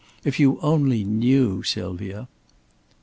If you only knew, Sylvia!"